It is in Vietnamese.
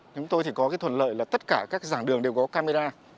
chúng tôi có thuận lợi là tất cả các dạng đường đều có camera